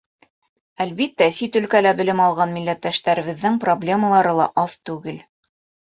Әлбиттә, сит өлкәлә белем алған милләттәштәребеҙҙең проблемалары ла аҙ түгел.